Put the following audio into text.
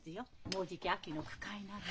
もうじき秋の句会なの。